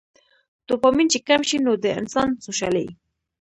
ډوپامين چې کم شي نو د انسان څوشالي